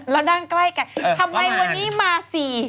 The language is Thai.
แล้วนั่งใกล้กันทำไมวันนี้มาสี่